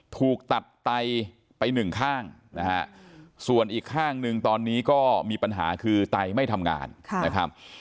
ถูกตัดไตไปหนึ่งข้างนะฮะส่วนอีกข้างหนึ่งตอนนี้ก็มีปัญหาคือไตไม่ทำงานนะครับ